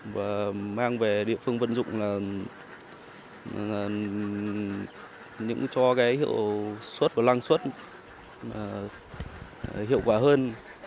và mang về địa phương vận dụng là cho cái hiệu suất và năng suất hiệu quả hơn